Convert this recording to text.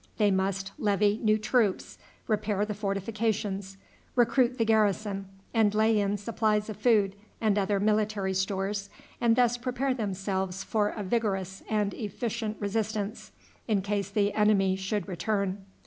They must levy new troops, repair the fortifications, recruit the garrison, and lay in supplies of food and of other military stores, and thus prepare themselves for a vigorous and efficient resistance in case the enemy should return.